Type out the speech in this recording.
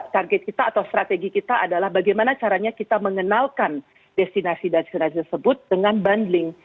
target kita atau strategi kita adalah bagaimana caranya kita mengenalkan destinasi dan destinasi tersebut dengan bundling